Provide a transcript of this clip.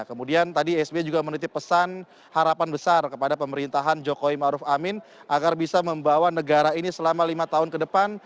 kemudian tadi sby juga menitip pesan harapan besar kepada pemerintahan jokowi maruf amin agar bisa membawa negara ini selama lima tahun ke depan